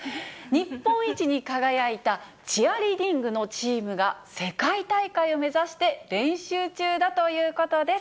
日本一に輝いたチアリーディングのチームが世界大会を目指して練習中だということです。